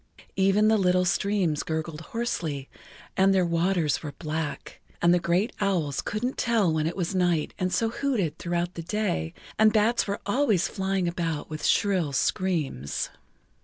Even the little streams gurgled hoarsely and their waters were black, and the great owls couldn't tell when it was night and so hooted throughout the day, and bats were always flying about with shrill screams.